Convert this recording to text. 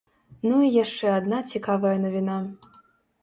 Ну і яшчэ адна цікавая навіна.